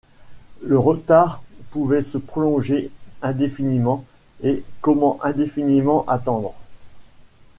Le retard pouvait se prolonger indéfiniment, et comment indéfiniment attendre?